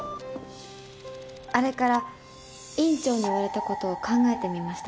あれから院長に言われたことを考えてみました。